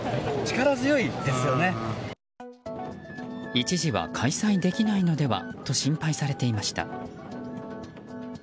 一時は開催できないのではと心配されていました。